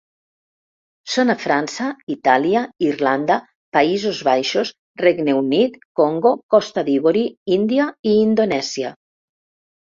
Són a França, Itàlia, Irlanda, Països Baixos, Regne Unit, Congo, Costa d'Ivori, Índia i Indonèsia.